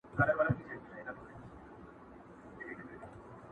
بیګا خوب وینم پاچا یمه سلطان یم،